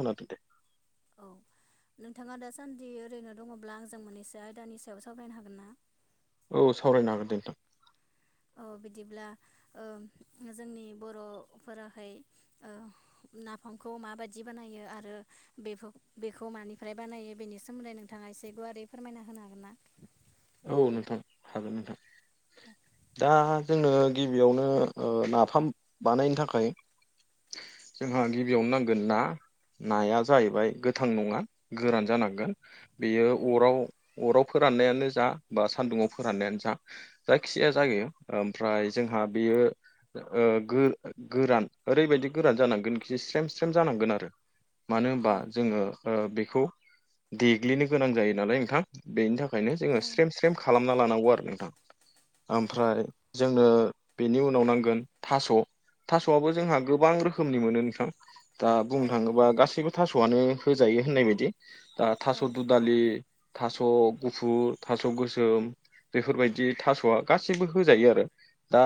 खानादो दे। औ नोंथाङा दासान्दि ओरैनो दङब्ला आंजों मोननैसो आयदानि सायाव सावरायनो हागोन ना? औ सावरायनो हागोनदे नोंथां। अ बिदिब्ला ओ जोंनि बर'फोराहाय ओ नाफा मखौ माबायदि बानायो। आरो बेफोखौ बेनि सोमोन्दै नोंथाङा एसे गुवार रै फोरमायना होनो हागोन ना? औ नोंथां हागोन नोंथां। दा जोनो गिबियावनो ओ नाफाम बानायनो थाखाय जोंहा गिबियावनो नांगोन ना। नाया जाहैबाय गोथां नङा गोरान जानांगोन बेयो औ अराव अराव फोरा राननायानो जा बा सान्दुंआव फोराननायानो जा जायखिजाया जायो ओमफ्राय जोंहा बेयो ओ गो गोरान ओरैबायदि गोरान जानांगोन खिजाय स्रेम स्रेम जानांगोन आरो मानो औ होनबा जोङो ओ बेखौ देग्लिनो गोनां जायो नालाय नोंथां बेनि थाखाय। औ जोङो स्रेम स्रेम खालामना लानांगौ आरो नोंथां औ ओमफ्राय जोंनो बेनि उनाव नांगोन थास' थास'आबो जोंहा गोबां रोखोमनि मोनो नोंथां। दा बुंनो औ थाङोबा नंगौ गासैबो थास'आनो होजायो होननाय बायदि दा थास' औ दुदालि थास' गुफुर थास' गोसोम बेफोरबायदि थास'आ गासैबो होजायो आरो। दा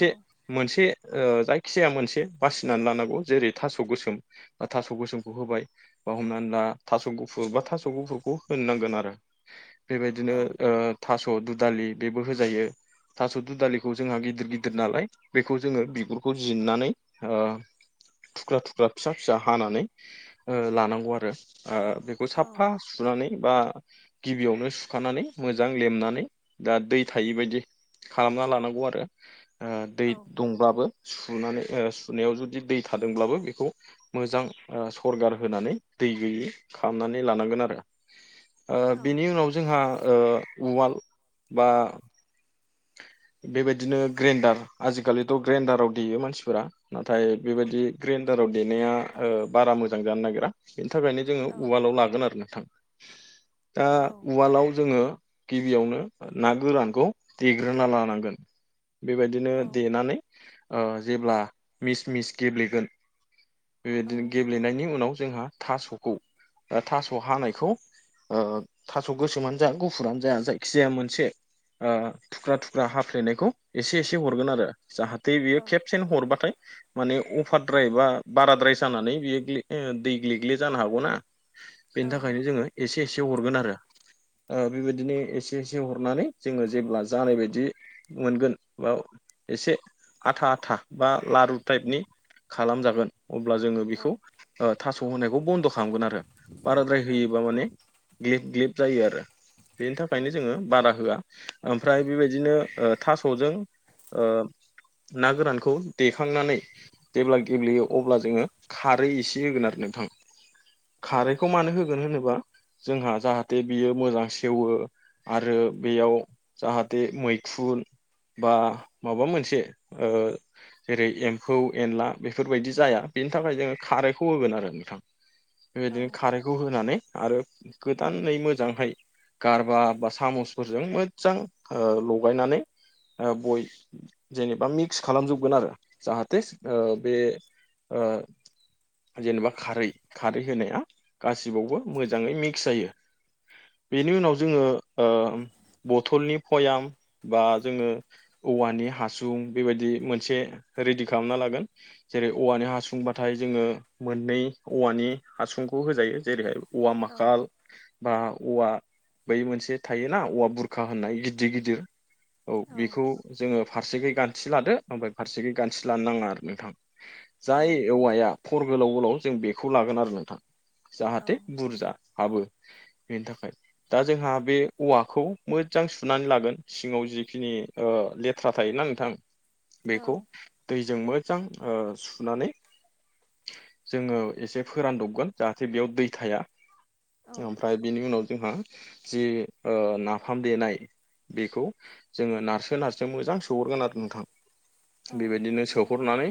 औ मोनसे ओ जायखि जाया मोनसे बासिनानै लानांगौ जेरै थास' गोसोम बा थास' गोसोमखौ होबाय बा हमनानै थास' गुफुर बा थास' गुफुरखौ होनो नांगोन आरो। बिदिनो औ ओ थास' दुदालि बेबो होजायो। थास' दुदालिखौ जोंहा गिदिर गिदिर नालाय बेखौ जोङो बिगुरखौ जिरनानै ओ थुख्रा थुख्रा फिसा फिसा हानानै ओ लानांगौ आरो। ओ बेखौ साफा सुनानै बा गिबियावनो सुखानानै मोजां लेमनानै दा दै थायि बायदि खालामना लानांगौ आरो। ओ दै औ दंब्लाबो सुनानै ओ सुनायाव जुदि दै थादोंब्लाबो बेखौ मोजां ओ सरगार होनानै दै गैयि खालामनानै लानांगोन आरो [unintelligible] ओ बिनि उनाव जोंहा ओ उवाल बा [unintelligible] बेबायदिनो ग्रेन्डार आजिखालिथ' ग्रेन्डाराव देयो मानसिफोरा नाथाय बेबायदि ग्रे दाराव देनाया ओ बारा मोजां जानो नागिरा बेनि थाखायनो औ जोङो उवालाव लागोन आरो नोंथां। दा उवालाव जोङो गिबियावनो ना गोरानखौ देग्रोना लानांगोन बेबायदिनो देनानै ओ जेब्ला मिस मिस गेब्लेगोन बेबायदिनो गेब्लेनायनि उनाव जोंहा थास'खौ ओ थास' हानायखौ। ओ थास' गोसोमानो जा गुफुरानो जा जायखिजाया मोनसे। ओ थुख्रा थुख्रा हाफ्लेनायखौ एसे एसे हरगोन आरो। जाहाथे औ बेयो खेबसेनो हरबाथाय। माने अफारद्राय एबा बाराद्राय जानानै बियो ग्ले ओ दैग्लेग्ले जानो हागौना। बेनि औ थाखायनो जोङो एसे एसे हरगोन आरो ओ बेबायदिनो एसे एसे हरनानै। जोङो जेब्ला जानाय बायदि मोनगोन बा एसे। आथा आथा बा लारु टाइपनि खालामजागोन। अब्ला जोङो बेखौ ओ थास' होनायखौ बन्द' खालामगोन आरो। बाराद्राय होयोबा माने ग्लिब ग्लिब जायो आरो। बेनि थाखायनो जोङो बारा होआ। ओमफ्राय बेबायदिनो ओ थास'जों ओ। ना गोरानखौ देखांनानै जेब्ला गेब्लेयो अब्ला जोङो खारै एसे होगोन आरो नोंथां। [inaudible] खारैखौ मानो होगोन होनोब्ला। जोंहा जाहाथे बियो मोजां सेवो आरो बेयाव। जाहाथे मैखुन। बा माबा मोनसे ओ जेरै एम्फौ एनला बेफोरबायदि जाया। बेनि थाखाय जोङो खारैखौ होगोन आरो नोंथां औ बेबायदिनो खारैखौ होनानै। आरो गोदानै मोजांहाय गारबा बा सामसफोरजों। मोजां लगायनानै बय जेनेबा मिक्स खालामजोबगोन आरो जाहाथेस बे ओ जेनेबा खारै खारै होनाया गासिबावबो मोजाङै मिक्स जायो। बेनि उनाव जोङो ओ बथलनि पयाम बा जोङो औवानि हासुं बेबायदि मोनसे रेडि खालामना लागोन जेरै औवानि हासुंबाथाय जोङो मोननै औवानि हासुंखौ होजायो जेरैहाय औवामाखाल बा औवा बै मोनसे थायोना औवा बुरखा होननाय गिदिर गिदिर औ बेखौ जोङो फारसेखै गानथि लादो ओमफ्राय फारसेखै गानथि लानो नाङा आरो नोंथां। औ जाय नंगौ औवाया फर गोलाव गोलाव जों बेखौ लागोन आरो नोंथां। औ जाहाथे बुरजा हाबो बेनि थाखाय दा जोंहा बे औवाखौ मोजजां सुनानै लागोन सिङाव जिखिनि लेथ्रा थायोना नोंथां। बेखौ औ दैजों मोजां सुनानै जोङो एसे फोरानदबगोन जाहाथे बेयाव दै थाया। औ ओमफ्राय बिनि उनाव जोंहा जि ना फाम देनाय बेखौ जोङो नारसो नारसो मोजां सोहरगोन आरो नोंथां। औ बेबायदिनो नंगौ सोहरनानै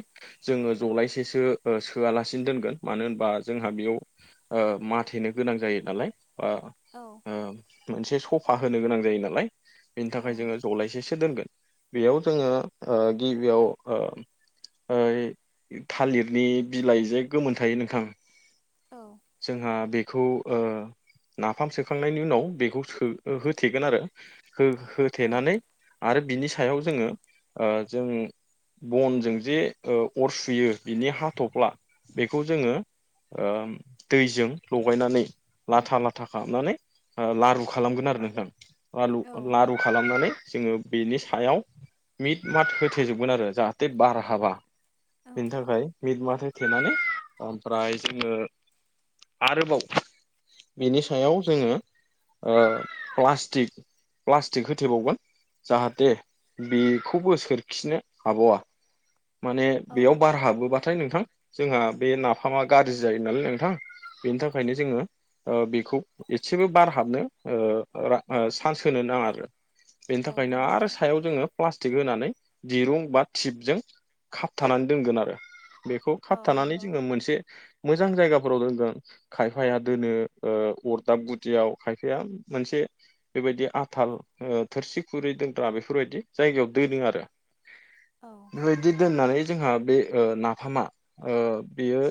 जोङो जरायसे एसेसो सोआलासिनो दोनगोन मानो होनबा जोंहा बेयाव माथेनो गोनां जायो नालाय। बा औ मोनसे सफा होनो गोनां जायो नालाय। बिनि औ थाखाय जोङो जलायसेसो दोनगोन। बेयाव जोङो ओ गिबियाव थालिरनि बिलाइ जे गोमोन थायो नोंथां। औ जोंहा बेखौ नाफाम सोखांनायनि उनाव बेखौ सो होथेगोन आरो औ हो-होथेनानै आरो बिनि सा सायाव जोङो ओ जों बनजों जे अर सुयो बिनि हाथ'फ्ला बेखौ जोङो दैजों लगायनानै लाथा लाथा खालामनानै लारु खालामगोन आरो नोंथां लारु औ लारु खालामनानै जोङो बेनि सायाव मिट मात होथेजोबगोन आरो जाहाथे बार हाबा। औ बिनि थाखाय मिट माथ होथेनानै ओमफ्राय जोङो आरोबाव बिनि सायाव जोङो प्लासटिक प्लास्टिक होथेबावगोन। जाहाथे बेखौबो सोरखिनो हाबावा। माने औ बेयाव बार हाबोबाथाय नोंथां जोंहा बे नाफामा गाज्रि जायो नालाय नोंथां बेनि थाखायनो जोङो बेखौ एसेबो बार हाबनो ओ रा सान्स होनो नाङा आरो। बेनि औ थाखायनो आरो नंगौ सायाव जोङो प्लास्टिक होनानै दिरुं बा टिपजों खाबथानानै दोनगोन आरो बेखौ औ खाबथानानै नंगौ जोङो मोनसे मोज जां जायगाफोराव दोनगोन खायफाया दोनो अरदाब गुदियाव खायफाया मोनसे बेबायदि आथाल थोरसि खुरै दोनग्रा बेफोरबायदि जायगायाव दोनो आरो औ बेबायदि दोननानै जोंहा बे ओ नाफामा ओ बेयो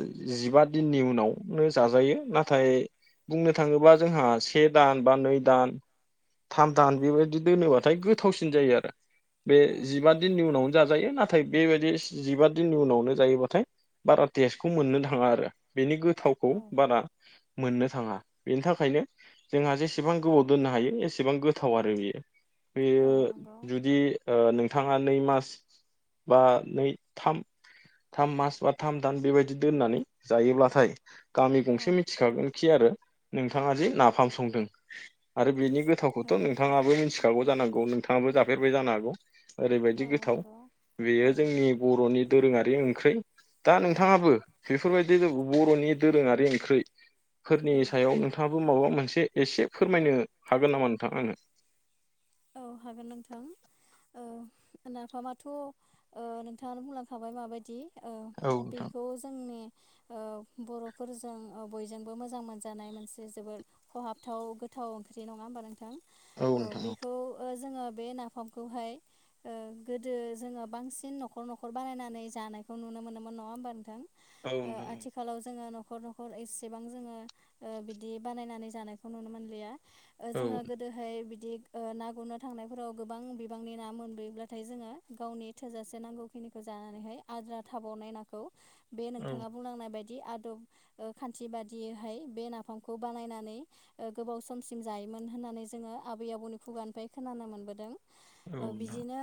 जिबा दिननि उनाव नो जा जायो नाथाय बुंनो थाङोबा जोंहा से दान बा नै दान थाम दान बेबायदि दोनोब्लाथाय गोथावसिन जायो आरो। बे औ जिबा दिननि उनावनो जाजायो ना थाय बेबायदि सि-जिबा दिननि उनावनो जायोबाथाय बारा टेस्टखौ मोननो थाङा आरो बेनि गो थावखौ औ बारा मोननो थाङा बेनि थाख खायनो जोंहा जेसेबां गोबाव दोननो हायो एसेबां गोथाव आरो बेयो। बेयो औ नंगौ जुदि ओ नोंथाङा नै मास बा नै थाम थाम मास बा थाम दान बेबायदि दोननानै जायोब्लाथाय गामि औ गंसे मिथिखागोनखि आरो नोंथाङा जि नाफाम संदों आरो बेनि औ गोथावखौथ' नोंथाङाबो मिथिखागौ जानांगौ नोंथाङाबो जाफेरबाय जानो हागौ औ ओरैबायदि गोथाव नंगौ बेयो औ जोंनि बर'नि दोरोङारि ओंख्रौइ दा नोंथाङाबो औ बेफोर बायदि बर'नि दोरोङारि ओंख्रि फोरनि औ सायाव नोंथां माबा मोनसे एसे फोरमायनो हागोन नामा नोंथां आङो औ हागोन नोंथां औ नाफामाथ' ओ नोंथाङा बुंलांखाबाय माबायदि ओ औ नोंथां बेखौ जोंनि ओ बर'फोरजों ओ बयजोंबो मोजां मोनजानाय मोनसे जोबोद खहाबथाव गोथाव गो थाव ओंख्रि नङाहोमबा नोंथां औ ओ नोंथां औ बेखौ ओ जोङो बे नाफामखौ हाय ओ गोदो जोङो बांसिन न'खर न'खर बानायनानै जा नानाय खौ नुनो मोनोमोन नङा होमबा नोंथां औ ओ नोंथां औ आथिलाव जोङो न'खर न'खर एसेबां जोङो ओ बिदि बानायनानै जानायखौ नुनो मोनलिया ओ औ जोङो गोदोहाय बिदि ओ ना गुरनो थांनायफोराव गोबां बिबांनि ना मोनबोयोब्लाथाय जोङो गावनि थोजासे नांगौखिनिखौ जा जानानैहाय आद्रा थाबावनाय नाखौ बे औ नोंथाङा बुंनांनाय बाय दि आदब ओ खान्थि बादियैहाय बे नाफामखौ बानायनानै ओ गोबाव समसिम जायो मोन होननानै जोङो आबै आबौनि खुगानिफ्राय खोनानो मोनबोदों ओ नोंथां बिजिनो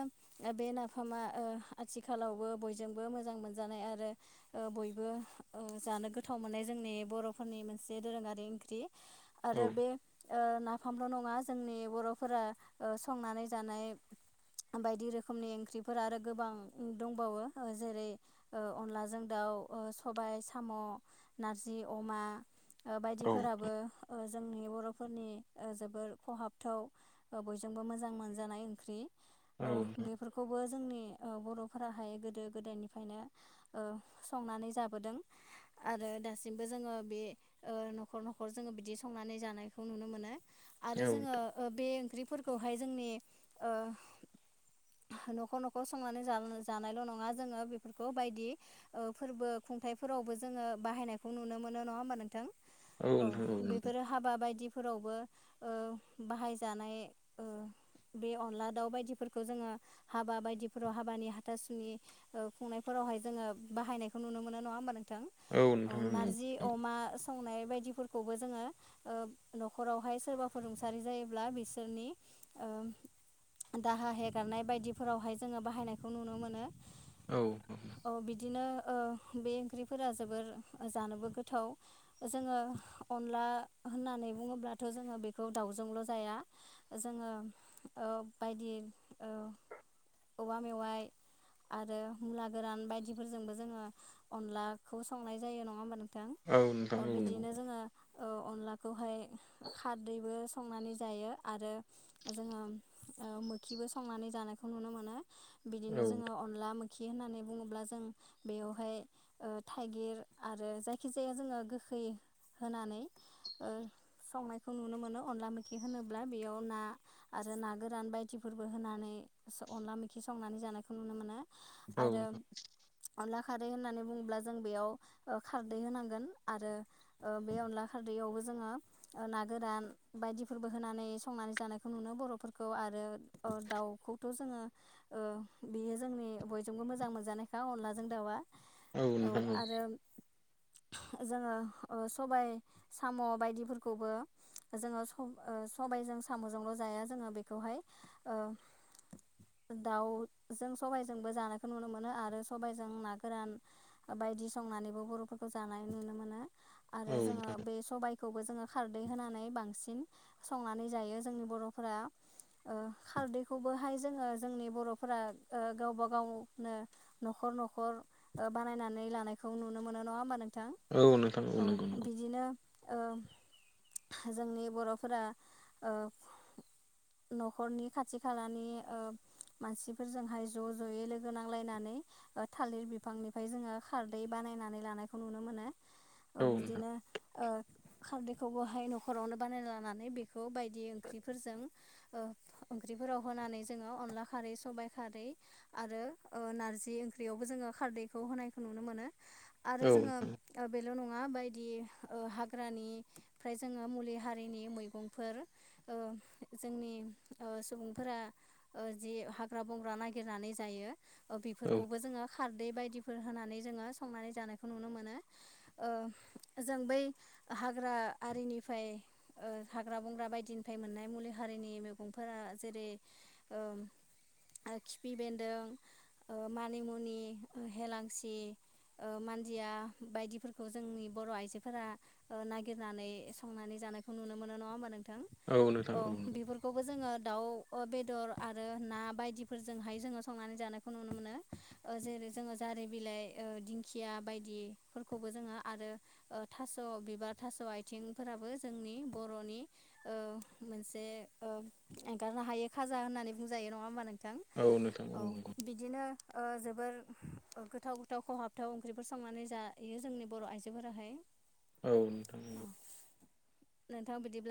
ओ बे नाफामा ओ आथिखालावबो बयजोंबो मोजां मोनजानाय आरो ओ बयबो ओ जानो गोथाव मोननाय जोंनि बर'फोरनि मोनसे दोरोङारि ओंख्रि औ आरो बे ओ नाफामल' नङा जोंनि बर' फोरा ओ संनानै जानाय बायदि रोखोमनि ओंख्रिफोर आरो गोबां दंबावो ओ जेरै' ओ अनलाजों दाउ औ ओ सबाय साम' नारजि अमा ओ औ बायदिफोराबो ओ जोंनि बर'फोरनि ओ जोबोर खहाबथाव ओ बयजोंबो मोजां मोनजानाय ओंख्रि औ ओ बेफोरखौबो जोंनि ओ बर'फोराहाय गोदो गोदायनिफ्रायनो ओ संनानै जाबोदों आरो दासिमबो जोङो बे ओ न'खर न'खर जोङो बिदि संनानै जानायखौ नुनो मोनो आरो जोङो नोंथां ओ बे ओंख्रिफोरखौहाय जोंनि ओ न'खर न'खर संनानै जानायल' नङा जोङो बेफोरखौ बायदि ओ फोरबो खुंथाइफोरावबो जोङो बाहायनायखौ नुनो मोनो नङा होमबा नोंथां औ बेफोरो हाबा बायदिफोरावबो ओ बाहायजानाय ओ बे अनला दाउ बायदिफोरखौ जोङो हाबा बायदिफोराव हाबानि हाथासुनि ओ खुंनायफोराव बहाय जोङो बाहायनायखौ नुनो मोनो नङा होमबा नोंथां औ नारजि अमा स संनाय बायदिफोरखौबो जोङो ओ न'खरावहाय सोरबा फोर रुंसा सारि जायोब्ला बिसोरनि ओ दाहा हेगारनाय बायदिफोरावहाय जोङो बाहायनायखौ नुनो मोनो औ बिदिनो ओ बे ओंख्रिफोरा जोबोर जानोबो गोथाव जोङो अनला होननानै बुङोब्लाथ' जोङो बे खौ दाउजोंल' जाया जोङो ओ बायदि ओ औवा मेवाय आरो मुला गोरान बायदिफोरजोंबो जोङो अनलाखौ संनाय जायो नङा होमबा नों थां ओ नोंथां औ नंगौ बिदिनो जोङो ओ अनलाखौहाय खार बो संनानै जायो आरो जोङो ओ मोखिबो संनानै जानायखौ नुनो मोनो बिदिनो औ जोङो अनला मो खि होननानै बुङोब्ला जों बेयावहाय ओ थाइगिर आरो जायखिजाया जोङो गो खै होनानै ओ संनाय खौ नुनो मोनो अनला मोखि होनोब्ला बेयाव ना आरो ना गोरान बायदि फोरबो होनानै स अनला मोखि संनानै जानायखौ नुनो मोनो औ आरो नोंथां अनला खारै होननानै बुङोब्ला जों बेयाव ओ खारदै होनांगोन आरो ओ बे अनला खारदैयावबो जो जोङो ओ नार गोरान बायदिफोरबो होनानै संनानै जानायखौ नुनो बर'फोरखौ आरो ओ दाउखौथ' जों ङो ओ बियो जोंनि बयजोंबो मोजां मोनजानायखा अनलाजों दाउआ औ आरो जोङो ओ सबाय साम' बायदिफोरखौबो जोङो सब ओ सबायजों साम'जोंल' जाया जोङो बेखौहाय ओ दाउ जों सबाइजोंबो जानायखौ नुनो मोनो आरो सबाइजों ना गोरान ओ बा बायदि संनानैबो बर'फोरखौ जानाय नुनो मोनो आरो औ नंगौ औ जोङो बे सबायखौबो जोङो दै होनानै बांसिन संनानै जायो जोंनि बर'फोरा। ओ खारदैखौबोहाय जोङो जोंनि बर'फोरा ओ गावबा गावनो न'खर खर न'खर ओ बानायनानै लानायखौ नुनो मोनो। नोङा होमबा नों थां? औ नोंथां नोंथां औ नंगौ नंगौ बिदिनो ओ जोंनि बर'फोरा ओ न'खरनि खाथि खालानि ओ मानसिफोरजोंहाय ज' ज'यै लोगो नांलायनानै ओ थालिर बिफांनिफ्राय जोङो खारदै बान नायनानै लानायखौ नुनो मोनो ओ औ नोंथां बिदिनो ओ खारदै खौबोहाय न'खरावनो बानायना लानानै बेखौ बायदि ओंख्रिफोरजों ओ ओंख्रिफोराव होना नानै जोङो अनला खारै सबाइ खारै आरो ओ नारजि ओंख्रियावबो जोङो खारदैखौ होन नाय खौ नुनो मोनो आरो औ नोंथां औ नोंथां औ जोङो नंगौ ओ बेल' नङा बायदि ओ हाग्रानि फ्राय जोङो मुलि हारिनि मैगंफोर ओ जोंनि ओ सुबुंफोरा ओ जि हाग्रा बंग्रा नागिरनानै जायो ओ औ नोंथां औ नंगौ बेफोरखौबो जोङो खारदै बायदिफोर होनानै जोङो संनानै जानायखौ नुनो मोनो ओ जों बै ओ हाग्रा आरिनिफाय ओ हाग्रा बंग्रा बायदिनिफाय मोननाय मुलि हारिनि मैगंफोरा जेरै ओ आरो खिफि बेन्दों ओ मानिमुनि ओ हेलांसि ओ मानजिया बायदिफोरखौ जोंनि बर' आइजोफोरा ओ नागिर नानै संनानै जानायखौ नुनो मोनो। नङा होमबा नोंथां? औ बेफोरखौबो जोङो दाउ ओ बेदर आरो ना बायदिफोरजोंहाय जोङो संनानै जानायखौ नुनो मोनो ओ जेरै जोङो जारि बिलाइ ओ दिंखिया बायदिफोरखौबो जोङो आरो ओ थास' बिबार थास' आइथिंफोराबो जोंनि बर'नि ओ मोनसे ओ एंगार खौ हायो खाजा होननानै बुंजायो। नङा होमबा नोंथां? औ बिदिनो ओ जोबोर ओ गोथाव गोथाव खहाबथाव ओंख्रिफोर संनानै जायो जोंनि बर' आइजोफोराहाय। औ नोंथां नोंगौ। नोंथां बिदिब्ला